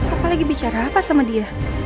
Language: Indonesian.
apa lagi bicara apa sama dia